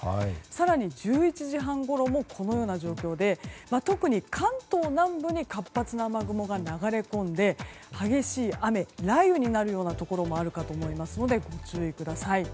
更に１１時半ごろもこのような状態で特に関東南部に活発な雨雲が流れ込んで激しい雨雷雨になるようなところもあるかと思いますのでご注意ください。